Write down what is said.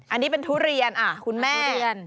อันนี้เป็นทุเรียนคุณแม่